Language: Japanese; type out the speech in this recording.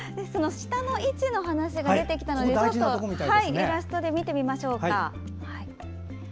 舌の位置の話が出てきたのでイラストで見てみましょう。